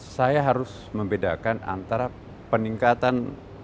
saya harus membedakan antara peningkatan